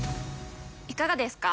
いかがですか？